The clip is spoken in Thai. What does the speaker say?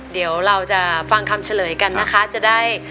เดี๋ยวเราจะฟังคำเฉลยกันนะคะจะได้